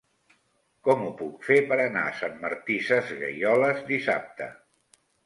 Com ho puc fer per anar a Sant Martí Sesgueioles dissabte?